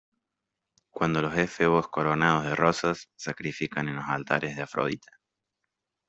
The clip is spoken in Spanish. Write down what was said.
cuando los efebos coronados de rosas sacrifican en los altares de Afrodita.